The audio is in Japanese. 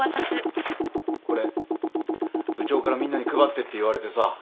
これ部長からみんなに配ってって言われてさ。